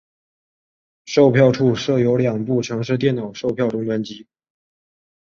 售票处设有两部城市电脑售票终端机。